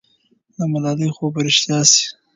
د ملالۍ خوب به رښتیا سي.